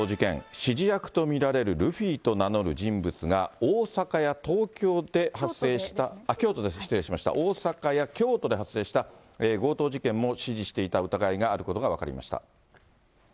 指示役と見られるルフィと名乗る人物が、大阪や東京で発生した、京都ですね、失礼しました、大阪や京都で発生した強盗事件も指示していた疑いがあることが分かりました。